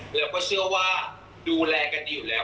เราก็เชื่อว่าดูแลกันดีอยู่แล้ว